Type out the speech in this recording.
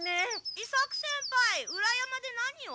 伊作先輩裏山で何を？